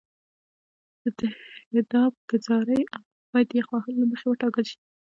د تهداب ګذارۍ عمق باید د یخ وهلو له مخې وټاکل شي